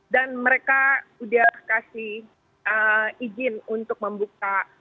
dan mereka udah kasih izin untuk membuka